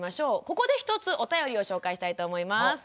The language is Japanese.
ここで一つお便りを紹介したいと思います。